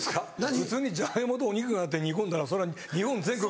普通にジャガイモとお肉があって煮込んだのそれは日本全国